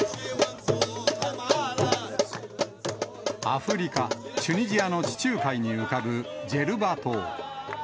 アフリカ・チュニジアの地中海に浮かぶジェルバ島。